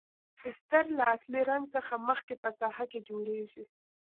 استر له اصلي رنګ څخه مخکې په ساحه کې جوړیږي.